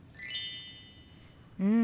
うん。